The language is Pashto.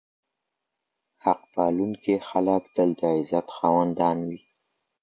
حق پالونکي خلک تل د عزت خاوندان وي.